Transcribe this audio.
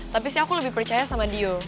tapi sih aku lebih percaya sama dio